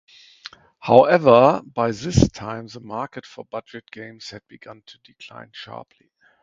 However by this time the market for budget games had begun to decline sharply.